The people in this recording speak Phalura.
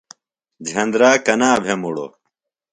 جھندرا کنا بھےۡ مُڑوۡ ؟